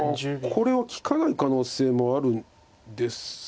これは利かない可能性もあるんです。